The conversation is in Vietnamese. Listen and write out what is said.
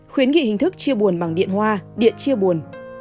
khuyến nghị hình thức chia buồn bằng điện hoa điện chia buồn